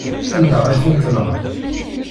Anda ay tent-nɣant?